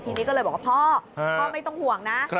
ทีนี้ก็เลยบอกว่าพ่อพ่อไม่ต้องห่วงนะ